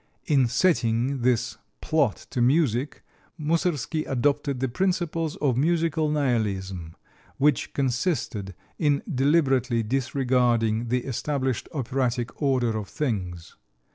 In setting this plot to music Moussorgsky adopted the principles of musical "nihilism," which consisted in deliberately disregarding the established operatic order of things.